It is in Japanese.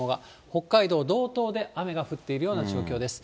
北海道道東で雨が降っているような状況です。